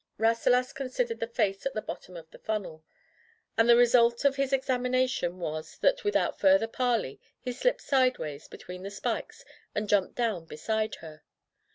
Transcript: Rasselas con sidered the face at the bottom of the funnel, and the result of his examination was that without further parley he slipped sidewise between the spikes and jumped down beside her.